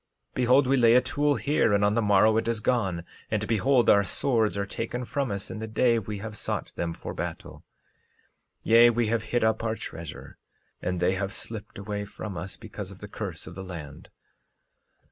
13:34 Behold, we lay a tool here and on the morrow it is gone; and behold, our swords are taken from us in the day we have sought them for battle. 13:35 Yea, we have hid up our treasures and they have slipped away from us, because of the curse of the land.